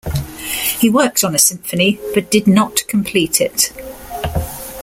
He worked on a symphony but did not complete it.